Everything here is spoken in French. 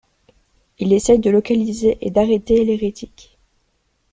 Il essaie de localiser et d'arrêter l'Hérétique.